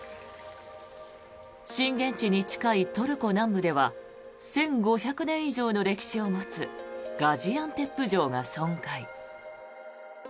震源地に近いトルコ南部では１５００年以上の歴史を持つガジアンテップ城が損壊。